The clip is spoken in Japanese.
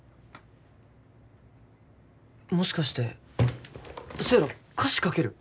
もしかしてセイラ歌詞書ける？